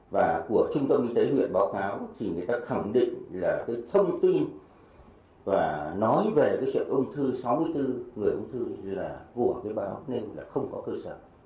và của trung tâm y tế huyện báo cáo thì người ta khẳng định là cái thông tin và nói về cái chuyện ung thư sáu mươi bốn người ung thư là của cái báo nên là không có cơ sở